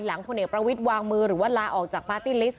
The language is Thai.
พลเอกประวิทย์วางมือหรือว่าลาออกจากปาร์ตี้ลิสต